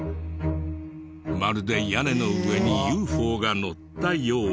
まるで屋根の上にＵＦＯがのったように。